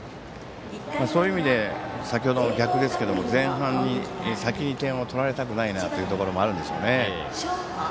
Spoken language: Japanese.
そういう意味で先程の逆ですけども前半に先に点を取られたくないなというところもあるんでしょうね。